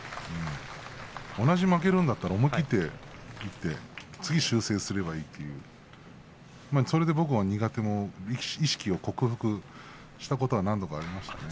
同じ負けるんだったら思い切りいって次に修正すればいいとそれで僕も苦手意識を克服したことが、何度かありましたね。